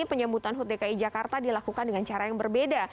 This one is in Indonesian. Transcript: penyambutan hut dki jakarta dilakukan dengan cara yang berbeda